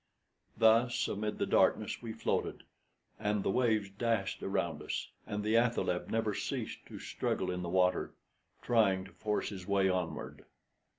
Thus amid the darkness we floated, and the waves dashed around us, and the athaleb never ceased to struggle in the water, trying to force his way onward.